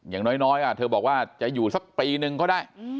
อย่างน้อยเธอบอกว่าจะอยู่สักปีนึงก็ได้